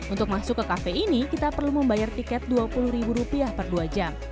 untuk masuk ke kafe ini kita perlu membayar tiket rp dua puluh per dua jam